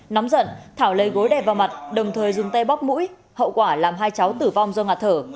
nóng giận thảo lấy gối đè vào mặt đồng thời dùng tay bóp mũi hậu quả làm hai cháu tử vong do ngạt thở